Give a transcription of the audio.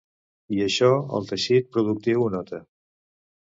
I això el teixit productiu ho nota.